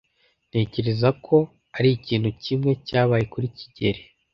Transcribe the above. Ntekereza ko arikintu kimwe cyabaye kuri kigeli.